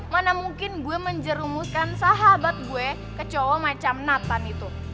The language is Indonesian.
mana mungkin gue menjerumuskan sahabat gue kecowo macam nathan itu